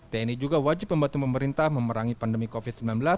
tni juga wajib membantu pemerintah memerangi pandemi covid sembilan belas